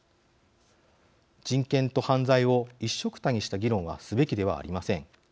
人権と犯罪を一緒くたにした議論はすべきではありません。